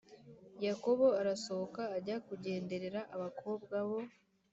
Yakobo arasohoka ajya kugenderera abakobwa bo